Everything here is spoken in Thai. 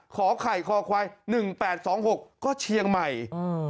ขอไข่คอควายหนึ่งแปดสองหกก็เชียงใหม่อืม